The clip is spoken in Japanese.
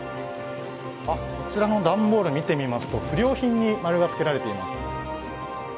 こちらの段ボール見てみますと不良品に○がつけられています。